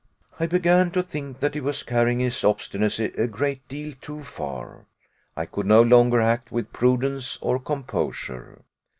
I began to think that he was carrying his obstinacy a great deal too far. I could no longer act with prudence or composure.